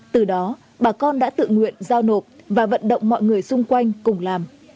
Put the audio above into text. từ đó bà con đã tự nguyện giao nộp và vận động mọi người xung quanh cùng làm